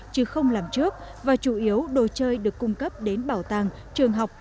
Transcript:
chứ không làm trước và chủ yếu đồ chơi được cung cấp đến bảo tàng trường học